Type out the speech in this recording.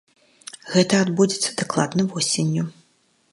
Гэта адбудзецца дакладна восенню.